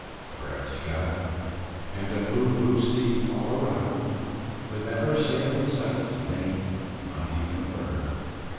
A bright sky, and a blue, blue sea all around, with never a sail in sight, nay, not even a bird.